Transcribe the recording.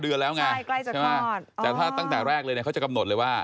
๘๙เดือนแล้วไงใช่ไหมแต่ถ้าตั้งแต่แรกเลยนะเขาจะกำหนดเลยว่า